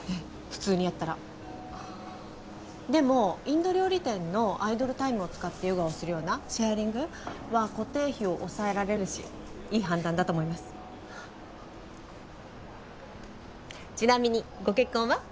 普通にやったらああでもインド料理店のアイドルタイムを使ってヨガをするようなシェアリングは固定費を抑えられるしいい判断だと思いますちなみにご結婚は？